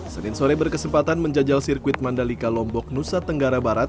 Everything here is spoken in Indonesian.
senin sore berkesempatan menjajal sirkuit mandalika lombok nusa tenggara barat